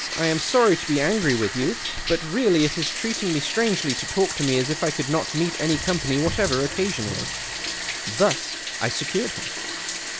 I am sorry to be angry with you ; but really it is treating me strangely to talk to me as if I could not meet any company whatever occasionally, " Thus I secured liiin.